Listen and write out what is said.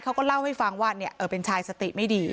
เขาก็เล่าให้ฟังว่าเป็นชายสติไม่ดี